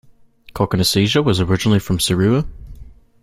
Cokanasiga is originally from Serua.